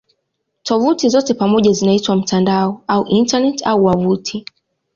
Tovuti zote pamoja zinaitwa "mtandao" au "Intaneti" au "wavuti".